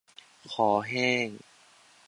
คอแห้ง